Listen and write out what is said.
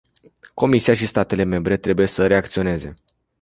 Comisia și statele membre trebuie să reacționeze.